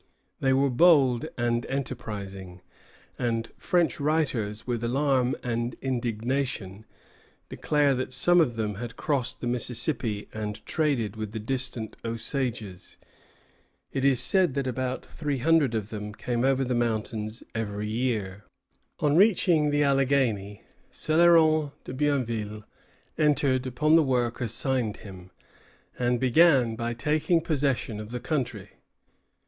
They were bold and enterprising; and French writers, with alarm and indignation, declare that some of them had crossed the Mississippi and traded with the distant Osages. It is said that about three hundred of them came over the mountains every year. Dinwiddie to Hamilton, 21 May, 1753. Hamilton to Dinwiddie, May, 1753. On reaching the Alleghany, Céloron de Bienville entered upon the work assigned him, and began by taking possession of the country.